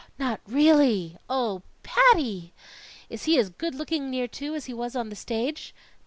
"Not really?" "Oh, Patty!" "Is he as good looking near to, as he was on the stage?"